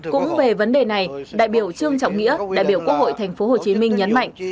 cũng về vấn đề này đại biểu trương trọng nghĩa đại biểu quốc hội tp hcm nhấn mạnh